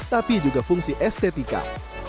tapi juga fungsi estetika